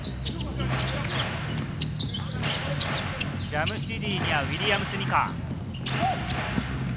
ジャムシディにはウィリアムス・ニカ。